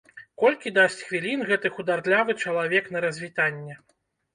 Колькі дасць хвілін гэты хударлявы чалавек на развітанне?